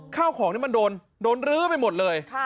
ข้าวของนี่มันโดนรื้อไปหมดเลย